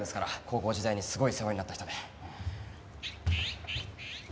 高校時代にすごい世話になった人で。